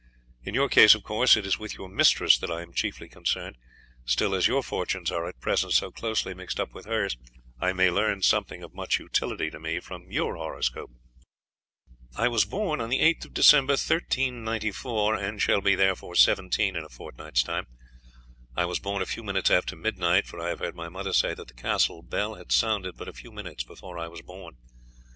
In your case, of course, it is with your mistress that I am chiefly concerned; still as your fortunes are at present so closely mixed up with hers, I may learn something of much utility to me from your horoscope." "I was born on the 8th of December, 1394, and shall be therefore seventeen in a fortnight's time. I was born a few minutes after midnight, for I have heard my mother say that the castle bell had sounded but a few minutes before I was born.